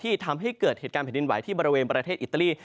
ทำให้เกิดเหตุการณ์แผ่นดินไหวที่บริเวณประเทศอิตาลี